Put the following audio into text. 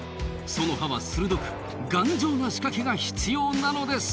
その歯は鋭く頑丈な仕掛けが必要なのです。